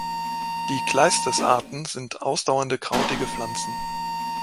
Die "Cleistes"-Arten sind ausdauernde krautige Pflanzen.